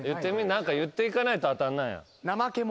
何か言っていかないと当たんない。